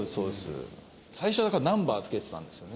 最初はだからナンバーを付けてたんですよね。